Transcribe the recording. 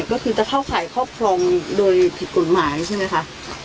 ก็คือจะเถ้าไขข้อพรองโดยผิดกฎหมายใช่ไหมครับ